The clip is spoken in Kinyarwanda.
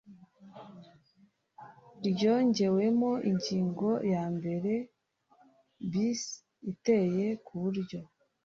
ryongewemo ingingo ya mbere bis iteye ku buryo